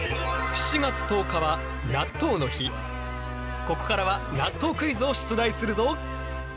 ここからは納豆クイズを出題するぞ！